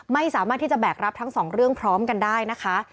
ไม่สามารถที่จะแบกรับทั้งสองเรื่องพร้อมกันได้นะคะ